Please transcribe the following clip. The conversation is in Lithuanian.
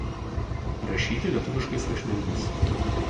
Rašyti lietuviškais rašmenimis.